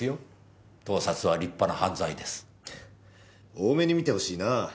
大目に見てほしいなぁ。